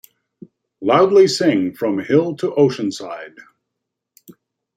Loudly sing from hill to oceanside!